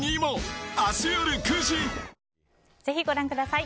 ぜひご覧ください。